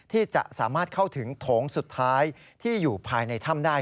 ที่จะสามารถเข้าถึงโถงสุดท้ายที่อยู่ภายในถ้ำได้